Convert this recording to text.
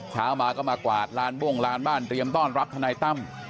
เช้ามาก็มากวาดลานบ้งลานบ้านเตรียมต้อนรับทนายตั้ม